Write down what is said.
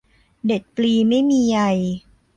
เด็ดปลีไม่มีใย